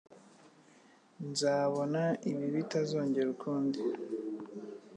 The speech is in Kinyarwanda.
Nzabona ibi bitazongera ukundi.